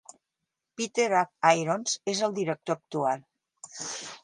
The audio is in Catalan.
Peter H. Irons és el director actual.